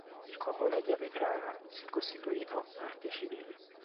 Il comune di Avetrana si è costituito parte civile.